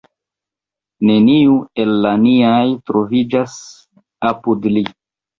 Neniu el la niaj troviĝas apud li.